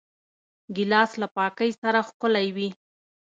ګیلاس له پاکۍ سره ښکلی وي.